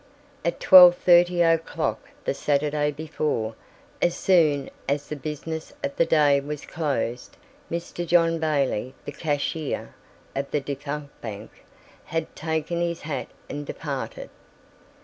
At twelve thirty o'clock the Saturday before, as soon as the business of the day was closed, Mr. John Bailey, the cashier of the defunct bank, had taken his hat and departed.